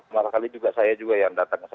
malah kali juga saya juga yang datang